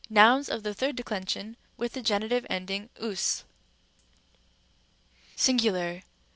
Nouns of the third declension with the genitive ending OVS. Singular.